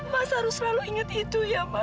mas harus selalu ingat itu ya mas